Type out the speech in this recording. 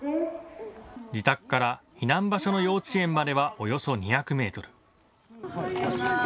自宅から避難場所の幼稚園まではおよそ２００メートル。